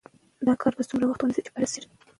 دا کار به څومره وخت ونیسي چې پای ته ورسیږي؟